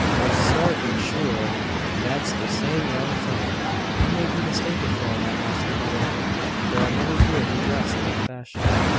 I sartin sure dat's de same young fella." "You may be mistaken for all that, Master Pluto. There are many here who dress in that fashion.